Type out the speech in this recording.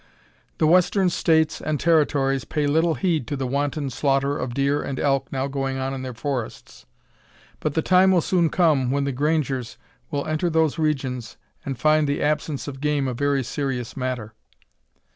The Western States and Territories pay little heed to the wanton slaughter of deer and elk now going on in their forests, but the time will soon come when the "grangers" will enter those regions and find the absence of game a very serious matter.